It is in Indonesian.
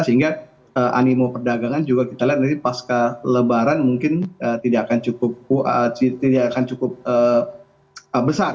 sehingga animo perdagangan juga kita lihat nanti pasca lebaran mungkin tidak akan cukup besar